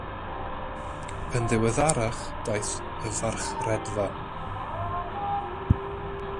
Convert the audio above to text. yn ddiweddarach daeth yn farchredfa.